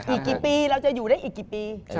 อีกกี่ปีเราจะอยู่ได้อีกกี่ปี